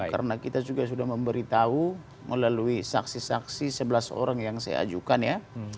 karena kita juga sudah memberi tahu melalui saksi saksi sebelas orang yang saya ajukan ya